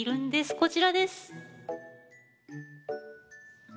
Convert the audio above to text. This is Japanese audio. こちらです。